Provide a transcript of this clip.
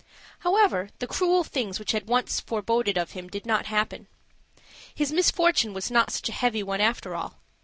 However, the cruel things which had been once foreboded of him did not happen. His misfortune was not such a heavy one, after all.